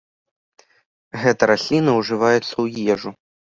Гэта расліна ўжываецца ў ежу.